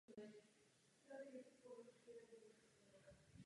Mozartova opera měla premiéru jen o dva roky později.